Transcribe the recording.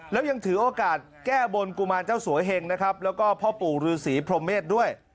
แล้วยังถือโอกาสแก้บนกุมารเจ้าสัวเหงนะครับแล้วก็พ่อปู่ฤษีพรหมเมษด้วย